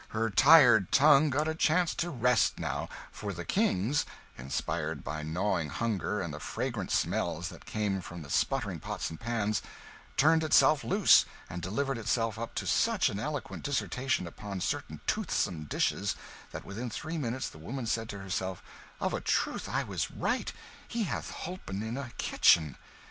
Her tired tongue got a chance to rest, now; for the King's, inspired by gnawing hunger and the fragrant smells that came from the sputtering pots and pans, turned itself loose and delivered itself up to such an eloquent dissertation upon certain toothsome dishes, that within three minutes the woman said to herself, "Of a truth I was right he hath holpen in a kitchen!"